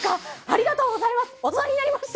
ありがとうございます！